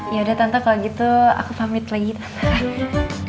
yaudah tante kalau gitu aku pamit lagi tante